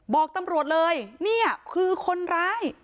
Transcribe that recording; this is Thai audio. บอกตำรวจเลยนี่คือคนร้าย